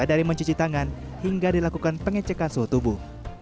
dari mencuci tangan hingga dilakukan pengecekan suhu tubuh